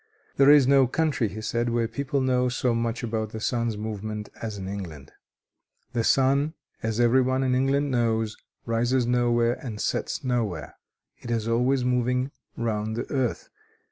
"There is no country," he said "where people know so much about the sun's movements as in England. The sun, as every one in England knows, rises nowhere and sets nowhere. It is always moving round the earth.